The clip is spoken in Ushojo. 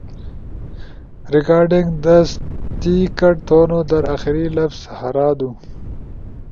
ریکارڈنگ دست کٹ تھؤن در آخری لفظ ہارادو